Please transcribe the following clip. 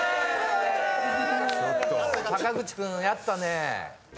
坂口君やったね。